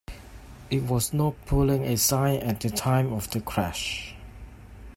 It was not pulling a sign at the time of the crash.